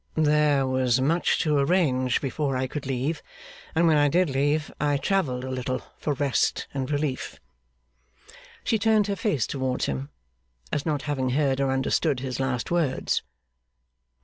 'There was much to arrange before I could leave; and when I did leave, I travelled a little for rest and relief.' She turned her face towards him, as not having heard or understood his last words.